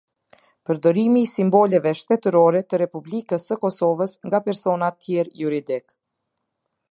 Përdorimi i simboleve shtetërore të Republikës së Kosovës nga personat tjerë juridikë.